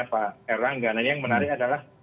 pak erlangga nah ini yang menarik adalah